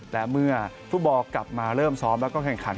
และเมื่อฟุตบอลกลับมาเริ่มซ้อมแล้วก็แข่งขัน